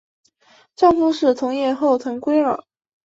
丈夫是同业后藤圭二。